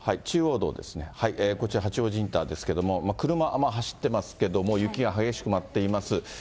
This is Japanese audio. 中央道ですね、こちら八王子インターですけれども、車、走ってますけど、雪が激しく舞っています。